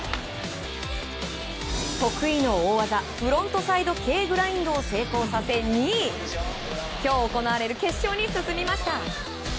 得意の大技フロントサイドＫグラインドを成功させ、２位。今日行われる決勝に進みました。